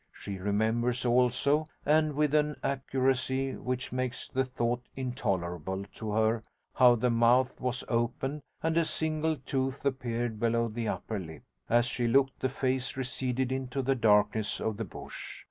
She remembers also, and with an accuracy which makes the thought intolerable to her, how the mouth was open and a single tooth appeared below the upper lip. As she looked the face receded into the darkness of the bush.